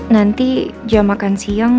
nanti jam makan siang